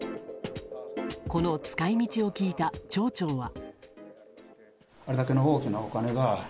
この使い道を聞いた町長は。